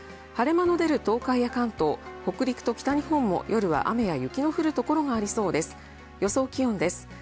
晴れ間の出る東海や関東、北陸と北日本も夜は雨や雪の降る所がありそうです。